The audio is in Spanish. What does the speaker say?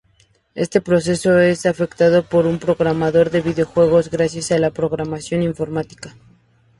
Este proceso es efectuado por un programador de videojuegos, gracias a la programación informática.